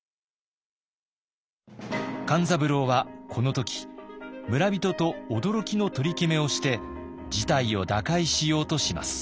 勘三郎はこの時村人と驚きの取り決めをして事態を打開しようとします。